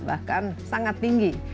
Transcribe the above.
bahkan sangat tinggi